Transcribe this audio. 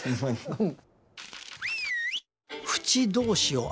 うん。